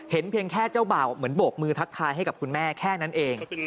เพียงแค่เจ้าบ่าวเหมือนโบกมือทักทายให้กับคุณแม่แค่นั้นเอง